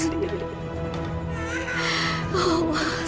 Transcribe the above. saya akan menangkan dia